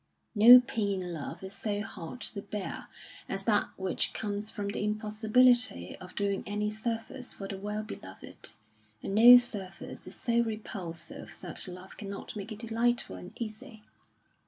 No pain in love is so hard to bear as that which comes from the impossibility of doing any service for the well beloved, and no service is so repulsive that love cannot make it delightful and easy.